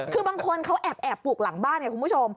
คือบางคนเขาแอบปลูกหลังบ้านไงคุณผู้ชม